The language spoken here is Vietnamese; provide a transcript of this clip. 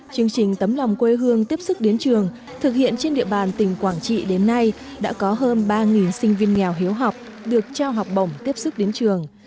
chương trình tấm lòng quê hương tiếp sức đến trường thực hiện trên địa bàn tỉnh quảng trị đến nay đã có hơn ba sinh viên nghèo hiếu học được trao học bổng tiếp sức đến trường